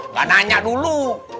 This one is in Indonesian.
nggak nanya dulu